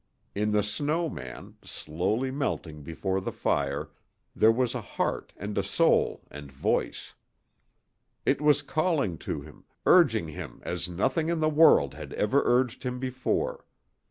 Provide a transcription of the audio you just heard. In the snow man, slowly melting before the fire, there was a heart and a soul and voice. It was calling to him, urging him as nothing in the world had ever urged him before.